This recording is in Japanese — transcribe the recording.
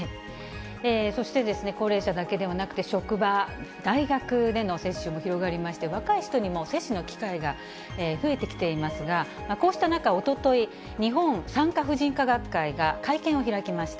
そして、高齢者だけではなくて、職場、大学での接種も広がりまして、若い人にも接種の機会が増えてきていますが、こうした中、おととい、日本産科婦人科学会が会見を開きました。